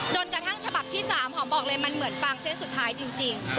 จนกระทั่งฉบับที่๓หอมบอกเลยมันเหมือนฟางเส้นสุดท้ายจริง